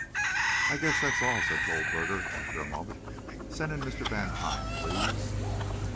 "I guess that's all," said Goldberger, after a moment. "Send in Mr. Vantine, please."